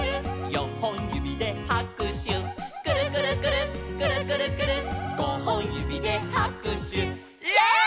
「よんほんゆびではくしゅ」「くるくるくるっくるくるくるっ」「ごほんゆびではくしゅ」イエイ！